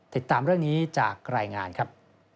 ติดตามเรื่องนี้จากรายงานครับ